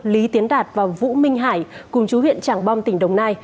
lý tiến đạt và vũ minh hải cùng chú huyện trảng bom tỉnh đồng nai